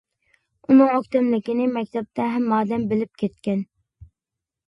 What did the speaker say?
ئۇنىڭ ئۆكتەملىكىنى مەكتەپتە ھەممە ئادەم بىلىپ كەتكەن.